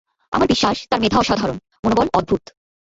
আমার বিশ্বাস তার মেধা অসাধারণ, মনোবল অদ্ভুত।